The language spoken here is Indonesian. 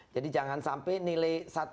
jadi jangan sampai nilai